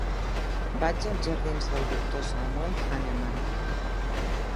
Vaig als jardins del Doctor Samuel Hahnemann.